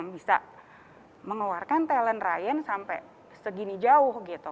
bisa mengeluarkan talent ryan sampai segini jauh gitu